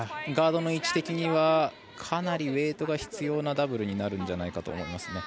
ガードの位置的にはかなりウエイトが必要なダブルになるんじゃないかと思います。